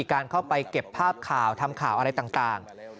การเข้าไปเก็บภาพข่าวทำข่าวอะไรต่าง